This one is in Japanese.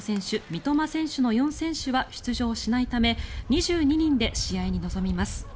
三笘選手の４選手は出場しないため２２人で試合に臨みます。